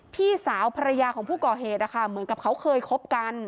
พี่สาวภรรยาของผู้ก่อเหตุนะคะเหมือนกับเขาเคยคบกัน